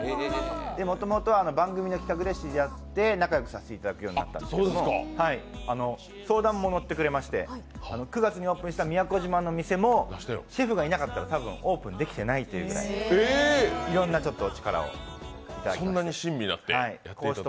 もともと番組の企画で知り合って仲良くさせていただくようになったんですけど相談も乗ってくれまして９月にオープンした宮古島の店もシェフがいなかったら多分オープンできていないというくらい、いろんな力をいただきました。